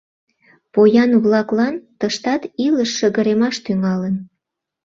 Поян-влаклан тыштат илыш шыгыремаш тӱҥалын.